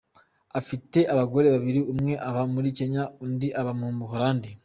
Afite abagore babiri umwe aba muri Kenya undi aba mu Buholandi.